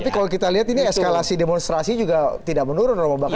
tapi kalau kita lihat ini eskalasi demonstrasi juga tidak menurun romo bakar